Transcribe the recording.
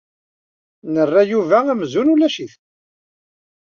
Nerra Yuba amzun ulac-it.